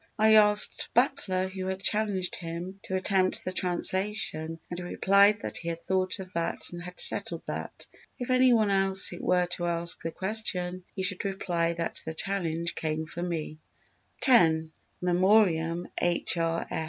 _I asked Butler who had challenged him to attempt the translation and he replied that he had thought of that and had settled that_, if any one else were to ask the question, he should reply that the challenge came from me. x. _In Memoriam H. R.